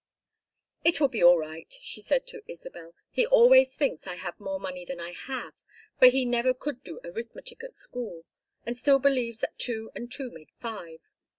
"It will be all right," she said to Isabel. "He always thinks I have more money than I have, for he never could do arithmetic at school and still believes that two and two make five.